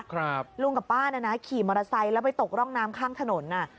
ลุงกับป้าเนี่ยนะขี่มอเตอร์ไซค์แล้วไปตกร่องน้ำข้างถนนอ่ะ